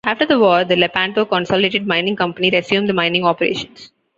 After the war, the Lepanto Consolidated Mining Company resumed the mining operations.